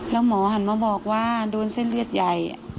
แล้วหมอหันมาบอกว่าโดนเส้นเลือดใหญ่